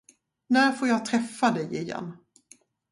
När får jag träffa dig igen?